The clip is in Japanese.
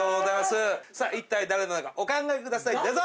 さあ一体誰なのかお考えくださいどうぞ！